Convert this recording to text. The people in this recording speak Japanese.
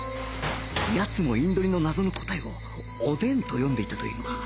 奴もインド煮の謎の答えをおでんと読んでいたというのか？